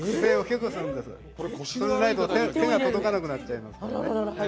それがないと手が届かなくなっちゃいます。